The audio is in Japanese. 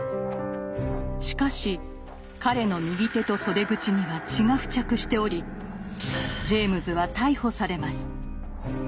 しかし彼の右手と袖口には血が付着しておりジェイムズは逮捕されます。